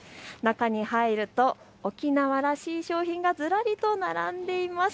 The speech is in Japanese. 中に入ると沖縄らしい商品がずらりと並んでいます。